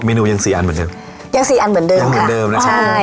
นูยังสี่อันเหมือนเดิมยังสี่อันเหมือนเดิมยังเหมือนเดิมนะครับใช่